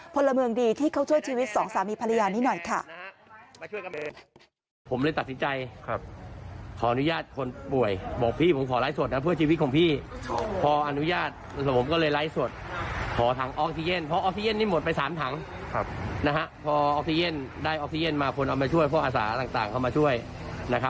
พลเมืองดีที่เขาช่วยชีวิตสองสามีภรรยานี้หน่อยค่ะ